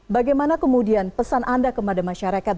bagaimana kemudian pesan anda kepada masyarakat